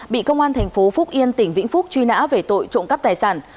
bị công an thành phố phúc yên tỉnh vĩnh phúc truy nã về tội trộm cắp tài sản